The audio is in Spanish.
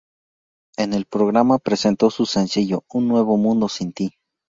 En el programa presentó su sencillo "Un nuevo mundo sin ti".